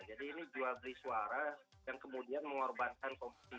jadi ini dua berisuara yang kemudian mengorbankan kompetisi